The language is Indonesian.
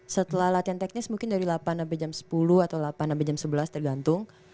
setelah latihan teknis mungkin dari delapan sampai jam sepuluh atau delapan sampai jam sebelas tergantung